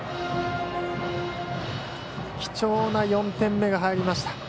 貴重な４点目が入りました。